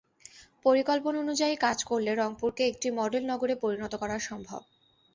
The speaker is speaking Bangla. পরিকল্পনা অনুযায়ী কাজ করলে রংপুরকে একটি মডেল নগরে পরিণত করা সম্ভব।